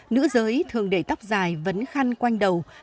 nữ giới thường để tóc dài vấn khăn quanh đầu